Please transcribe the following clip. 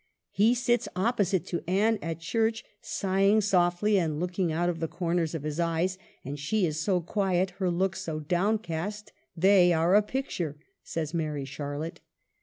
" He sits opposite to Anne at church, sighing softly, and looking out of the corners of his eyes — and she is so quiet, her look so downcast ; they are a picture," says merry Charlotte.